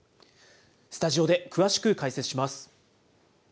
スタジオで詳しく解説します。